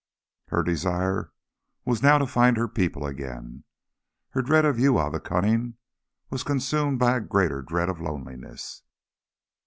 Her desire was now to find her people again. Her dread of Uya the Cunning was consumed by a greater dread of loneliness.